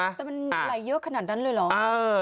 แต่มันไหลเยอะขนาดนั้นเลยเหรอ